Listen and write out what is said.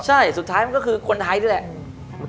ใช่สุดท้ายมันก็คือคนไทยนี่แหละ